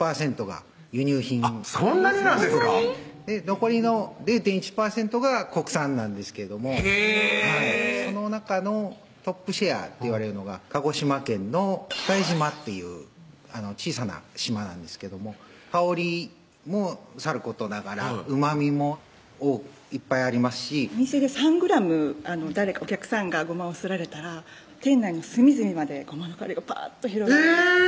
残りの０．１％が国産なんですけれどもへぇその中のトップシェアっていわれるのが鹿児島県の喜界島っていう小さな島なんですけども香りもさることながらうまみもいっぱいありますしお店で３ｇお客さんがごまをすられたら店内の隅々までごまの香りがパーッとえぇ！